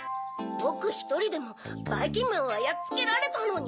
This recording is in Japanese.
ぼくひとりでもばいきんまんはやっつけられたのに。